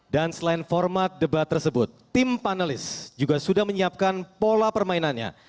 dan selain format debat tersebut tim panelis juga sudah menyiapkan pola permainannya